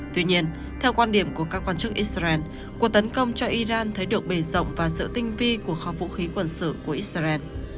tuy nhiên theo quan điểm của các quan chức israel cuộc tấn công cho iran thấy được bề rộng và sự tinh vi của kho vũ khí quân sự của israel